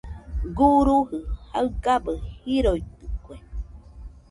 Guruji jaigabɨ jiroitɨkue.